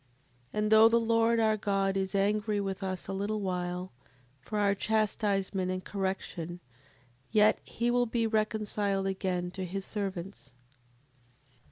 7:33. And though the Lord, our God, is angry with us a little while, for our chastisement and correction, yet he will be reconciled again to his servants.